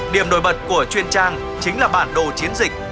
điểm nổi bật của truyền trang chính là bản đồ chiến dịch